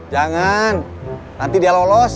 jangan nanti dia lolos